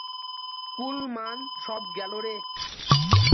কুল-মান সব গেলো রে!